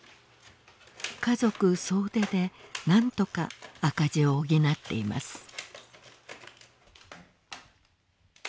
家族総出でなんとか赤字を補っています。